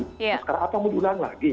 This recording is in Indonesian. nah sekarang apa mau diulang lagi